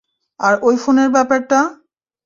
আর ওই ফোনের ব্যাপারটা?